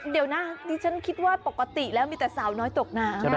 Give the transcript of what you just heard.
เดี๋ยวนะดิฉันคิดว่าปกติแล้วมีแต่สาวน้อยตกน้ำ